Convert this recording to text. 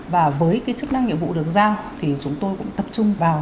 và với cái chức năng nhiệm vụ được giao thì chúng tôi cũng tập trung vào